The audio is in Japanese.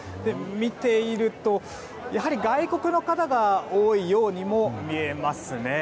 見ていると外国の方が多いようにも見えますね。